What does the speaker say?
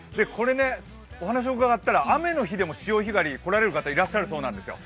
お話を伺ったら、雨の日でも潮干狩りに来られる方がいらっしゃるようなんですよ。